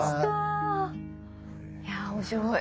いや面白い。